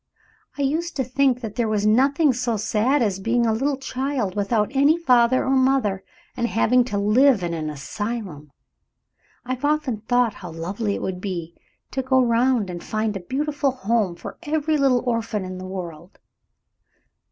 I used to think that there was nothing so sad as being a little child without any father or mother, and having to live in an asylum. I've often thought how lovely it would be to go around and find a beautiful home for every little orphan in the world.